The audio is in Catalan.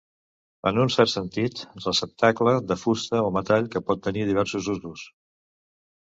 En un cert sentit, receptacle de fusta o metall que pot tenir diversos usos.